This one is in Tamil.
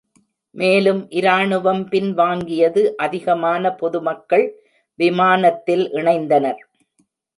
மேலும் இராணுவம் பின்வாங்கியது, அதிகமான பொதுமக்கள் விமானத்தில் இணைந்தனர்.